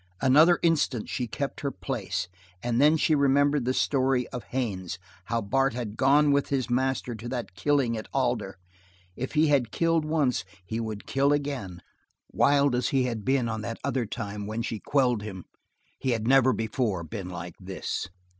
Another instant she kept her place, and then she remembered the story of Haines how Bart had gone with his master to that killing at Alder. If he had killed once, he would kill again; wild as he had been on that other time when she quelled him, he had never before been like this.